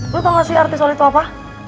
lu tau gak sih arti solid itu apa